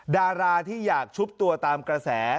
ดาราที่อยากชุบตัวตามกระแส